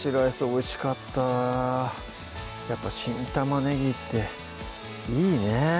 おいしかったやっぱ新玉ねぎっていいね